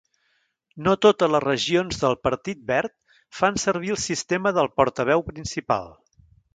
No totes les regions del Partit Verd fan servir el sistema del portaveu principal.